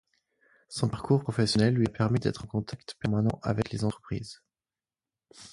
Son parcours professionnel lui a permis d’être en contact permanent avec les entreprises.